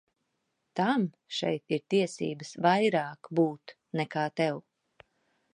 Tam šeit ir tiesības vairāk būt nekā tev.